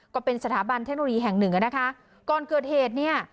ก็เป็นสถาบันเทคโนโลยีแห่งหนึ่งอ่ะนะคะก่อนเกิดเหตุเนี่ย